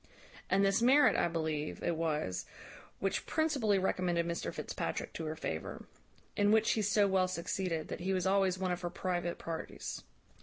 "And this merit, I believe, it was, which principally recommended Mr Fitzpatrick to her favour. In which he so well succeeded, that he was always one of her private parties.